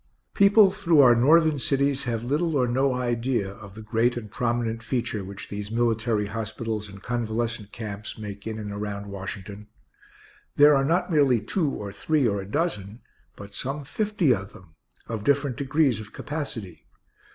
People through our Northern cities have little or no idea of the great and prominent feature which these military hospitals and convalescent camps make in and around Washington. There are not merely two or three or a dozen, but some fifty of them, of different degrees of capacity.